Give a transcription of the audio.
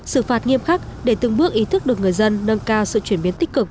xử phạt nghiêm khắc để từng bước ý thức được người dân nâng cao sự chuyển biến tích cực